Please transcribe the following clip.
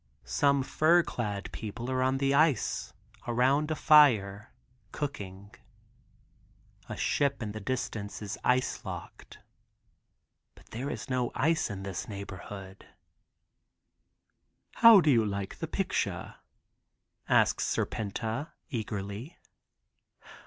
Some fur clad people are on the ice around a fire cooking. A ship in the distance is ice locked. But there is no ice in this neighborhood. "How do you like the picture?" asked Serpenta eagerly.